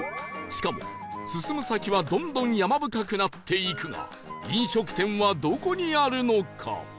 しかも進む先はどんどん山深くなっていくが飲食店はどこにあるのか？